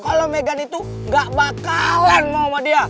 kalau megan itu gak bakalan mau sama dia